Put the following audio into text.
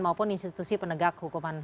maupun institusi penegak hukuman